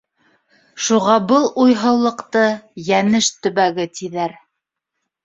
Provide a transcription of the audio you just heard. Шуға был уйһыулыҡты Йәнеш төбәге тиҙәр.